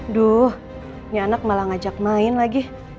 aduh nih anak malah ngajak main lagi